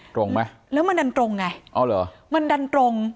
ตรงไหมแล้วมันดันตรงไงอ๋อเหรอมันดันตรง